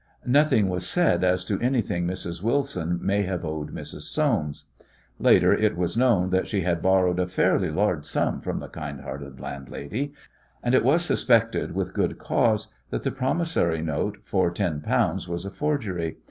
Nothing was said as to anything Mrs. Wilson may have owed Mrs. Soames. Later it was known that she had borrowed a fairly large sum from the kind hearted landlady, and it was suspected with good cause that the promissory note for ten pounds was a forgery.